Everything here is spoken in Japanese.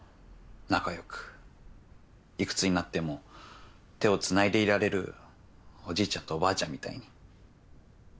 仲良く幾つになっても手をつないでいられるおじいちゃんとおばあちゃんみたいに。